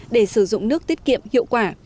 để sử dụng nước tiết kiệm hiệu quả